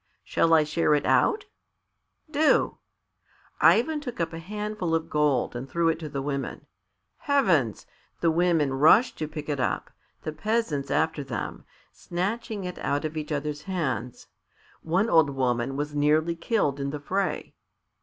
"Shall I share it out?" "Do." Ivan took up a handful of gold and threw it to the women. Heavens! The women rushed to pick it up, the peasants after them, snatching it out of each others' hands. One old woman was nearly killed in the fray.